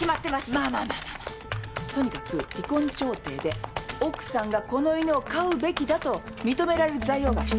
まぁまぁまぁまぁとにかく離婚調停で奥さんがこの犬を飼うべきだと認められる材料が必要なんです。